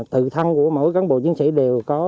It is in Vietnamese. tự thăng của mỗi cán bộ chiến sĩ đều có